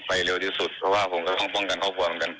เร็วที่สุดเพราะว่าผมก็ต้องป้องกันครอบครัวเหมือนกัน